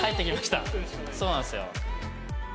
そうなんですよ。